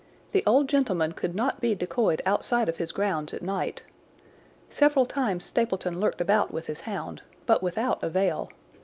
The old gentleman could not be decoyed outside of his grounds at night. Several times Stapleton lurked about with his hound, but without avail.